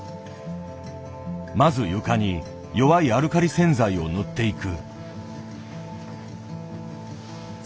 まず床に弱いアルカリ洗剤を塗っていく。